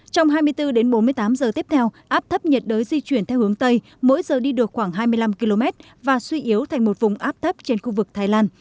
trong hai mươi bốn đến bốn mươi tám giờ tiếp theo áp thấp nhiệt đới di chuyển theo hướng tây mỗi giờ đi được khoảng hai mươi năm km và suy yếu thành một vùng áp thấp trên khu vực thái lan